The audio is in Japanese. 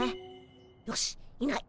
よしいない。